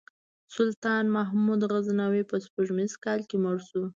سلطان محمود غزنوي په سپوږمیز کال کې مړ شو.